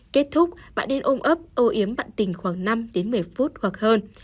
kết thúc bạn nên ôm ấp ô yếm bạn tình khoảng năm đến một mươi phút hoặc hơn